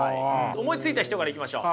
思いついた人からいきましょう。